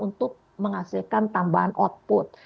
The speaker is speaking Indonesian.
untuk menghasilkan tambahan output